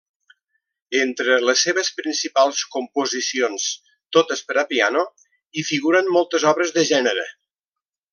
Entre les seves principals composicions, totes per a piano, hi figuren moltes obres de gènere.